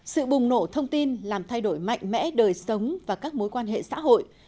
sự bùng nổ thông tin làm thay đổi mạnh mẽ đời sống và các mối quan hệ xã hội